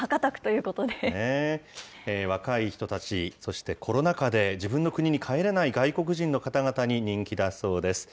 若い人たち、そしてコロナ禍で自分の国に帰れない外国人の方々に人気だそうです。